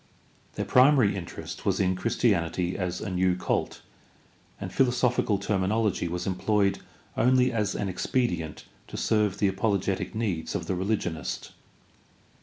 Their primary interest was in Christianity as a new cult, and philosophical terminology was employed only as an expedient to serve the apologetic needs of the religionist.